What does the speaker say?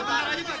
sebentar aja pak